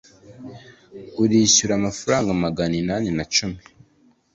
urishyura amafaranga magana inani na cumi